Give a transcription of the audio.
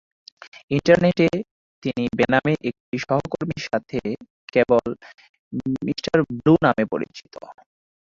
ইন্টারনেটে, তিনি বেনামে একটি সহকর্মীর সাথে কেবল "মিঃ ব্লু" নামে পরিচিত।